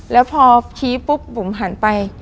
แล้วพอชี้ปุ๊บบุ๋มหันไป